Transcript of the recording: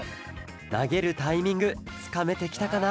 なげるタイミングつかめてきたかな？